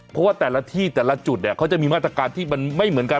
เพราะว่าแต่ละที่แต่ละจุดเนี่ยเขาจะมีมาตรการที่มันไม่เหมือนกัน